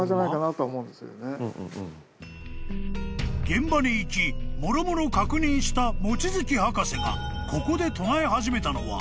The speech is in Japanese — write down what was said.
［現場に行きもろもろ確認した望月博士がここで唱え始めたのは］